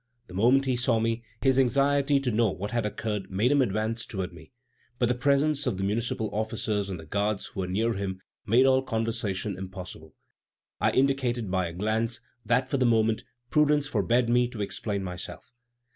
The moment he saw me, his anxiety to know what had occurred made him advance toward me; but the presence of the municipal officers and the guards who were near him made all conversation impossible. I indicated by a glance that, for the moment, prudence forbade me to explain myself.